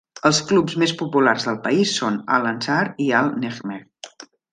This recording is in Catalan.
Els clubs més populars del país són Al-Ansar i Al-Nejmeh.